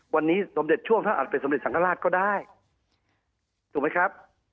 วันนี้สมเด็จช่วงถ้าอาจเป็นสมเด็จสังฆราชก็ได้ถูกไหมครับ